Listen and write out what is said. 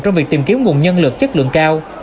trong việc tìm kiếm nguồn nhân lực chất lượng cao